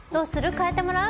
換えてもらう？」